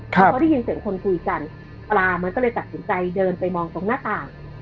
เพราะได้ยินเสียงคนคุยกันปลามันก็เลยตัดสินใจเดินไปมองตรงหน้าต่าง